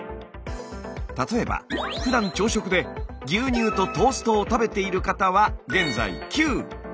例えばふだん朝食で牛乳とトーストを食べている方は現在９。